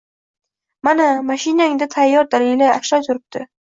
Mana, mashinangda tayyor daliliy ashyo turibdi